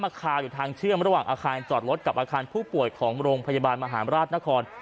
คาอยู่ทางเชื่อมระหว่างอาคารจอดรถกับอาคารผู้ป่วยของโรงพยาบาลมหาราชนคร